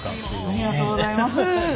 ありがとうございます。